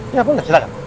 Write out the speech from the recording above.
ya aku enggak silahkan